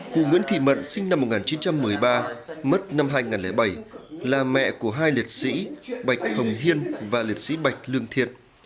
cụ nguyễn thị mận sinh năm một nghìn chín trăm một mươi ba mất năm hai nghìn bảy là mẹ của hai liệt sĩ bạch hồng hiên và liệt sĩ bạch lương thiện